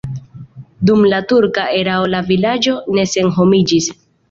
Dum la turka erao la vilaĝo ne senhomiĝis.